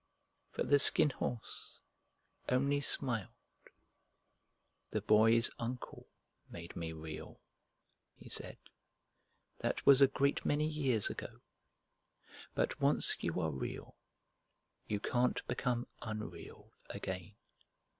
But the Skin Horse only smiled. The Skin Horse Tells His Story "The Boy's Uncle made me Real," he said. "That was a great many years ago; but once you are Real you can't become unreal again.